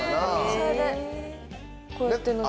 それでこうやって飲んで。